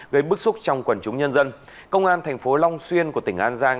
gây bức xúc trong quần chúng nhân dân công an thành phố long xuyên của tỉnh an giang